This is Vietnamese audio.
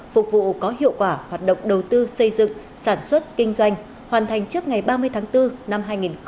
phục vụ có hiệu quả hoạt động đầu tư xây dựng sản xuất kinh doanh hoàn thành trước ngày ba mươi tháng bốn năm hai nghìn hai mươi